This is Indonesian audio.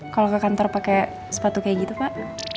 kalau ke kantor pakai sepatu kayak gitu pak